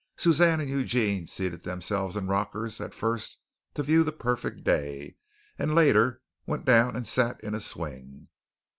Suzanne and Eugene seated themselves in rockers at first to view the perfect day and later went down and sat in a swing.